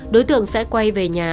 đối tượng sẽ quay về nhà